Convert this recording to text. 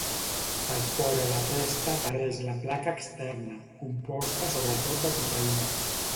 Per fora d'aquesta apareix la placa externa, composta sobretot de proteïnes.